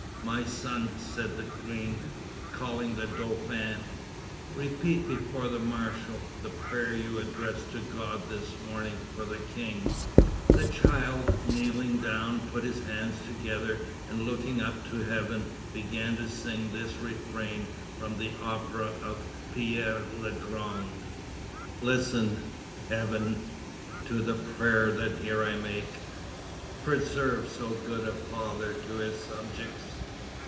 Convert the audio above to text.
"My son," said the Queen, calling the Dauphin, "repeat before the marshal, the prayer you addressed to God this morning for the King." The child, kneeling down, put his hands together, and looking up to heaven, began to sing this refrain from the opera of Pierre le Grand: _Ciel, entends la prière Qu'ici je fais: Conserve un si bon père A ses sujets.